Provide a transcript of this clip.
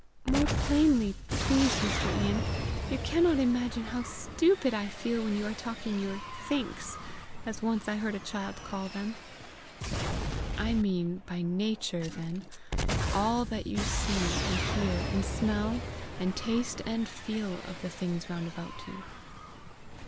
"More plainly, please Mr. Ian! You cannot imagine how stupid I feel when you are talking your thinks, as once I heard a child call them." "I mean by nature, then, all that you see and hear and smell and taste and feel of the things round about you."